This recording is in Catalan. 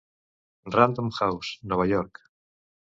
Random House. Nova York.